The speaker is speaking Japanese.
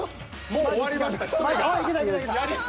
もう終わりました１人が。